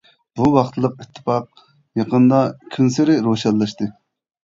بۇ ۋاقىتلىق ئىتتىپاق يېقىندا كۈنسېرى روشەنلەشتى.